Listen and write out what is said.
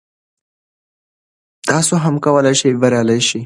تاسو هم کولای شئ بریالي شئ.